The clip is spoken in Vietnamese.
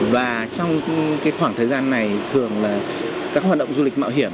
và trong khoảng thời gian này thường là các hoạt động du lịch mạo hiểm